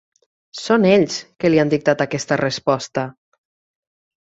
Són ells, que li han dictat aquesta resposta!